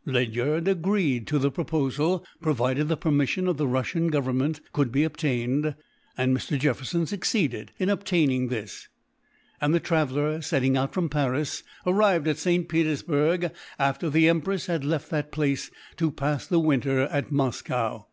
— Ledyard agreed to the proposal provided the permission of the Russian government could be obtained. Mr. Jefferson succeeded in obtaining this; and the traveller, setting out from Paris, arrived at St. Petersburgh after the Empress had left that place to pass the winter at Moscow.